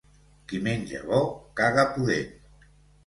Qui menja bo, caga pudent.